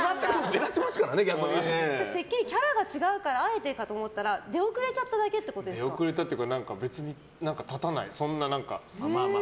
私、てっきりキャラが違うからあえてかと思ったら出遅れちゃっただけって出遅れたというか別に立たない。